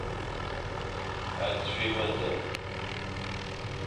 A tui mendene.